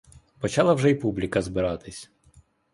Почала вже й публіка збиратись.